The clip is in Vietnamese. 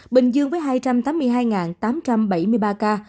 bình dương với hai trăm tám mươi hai tám trăm bảy mươi ba ca